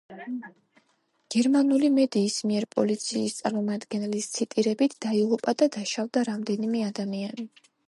გერმანული მედიის მიერ პოლიციის წარმომადგენლის ციტირებით, დაიღუპა და დაშავდა რამდენიმე ადამიანი.